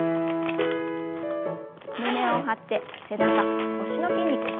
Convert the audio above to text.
胸を張って背中腰の筋肉引き締めます。